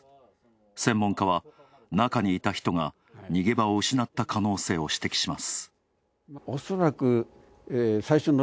専門家は中にいた人が逃げ場を失った可能性を指摘します。